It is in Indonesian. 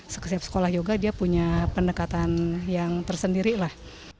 setiap sekolah yoga dia punya pendekatan yang tersendiri lah